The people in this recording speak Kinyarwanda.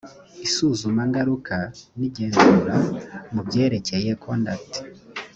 isuzumangaruka n igenzura mu byerekeye conduct